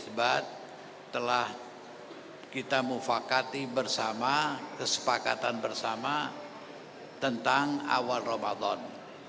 sebab telah kita mufakati bersama kesepakatan bersama tentang awal ramadan